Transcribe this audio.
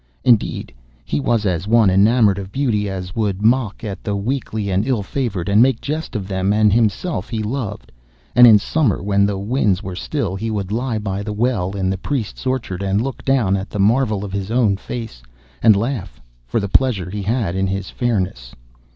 Indeed, he was as one enamoured of beauty, and would mock at the weakly and ill favoured, and make jest of them; and himself he loved, and in summer, when the winds were still, he would lie by the well in the priest's orchard and look down at the marvel of his own face, and laugh for the pleasure he had in his fairness.